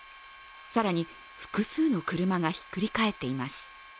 更に、複数の車がひっくり返っています。